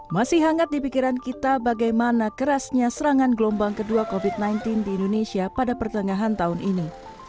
masih hangat di pikiran kita bagaimana kerasnya serangan gelombang kedua covid sembilan belas di indonesia pada pertengahan tahun ini